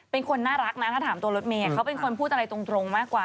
เป็นคนน่ารักนะถ้าถามตัวรถเมย์เขาเป็นคนพูดอะไรตรงมากกว่า